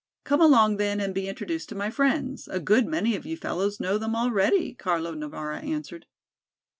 "Come along then and be introduced to my friends; a good many of you fellows know them already," Carlo Navara answered.